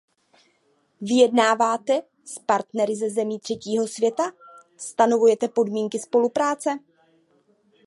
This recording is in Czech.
Vyjednáváte s partnery ze zemí třetího světa; stanovujete podmínky spolupráce.